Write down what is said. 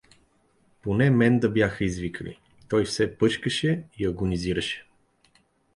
Поне мен да бяха извикали… Той все пъшкаше и агонизираше.